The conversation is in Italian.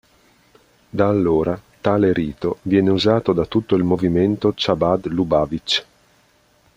Da allora tale rito viene usato da tutto il movimento Chabad-Lubavitch.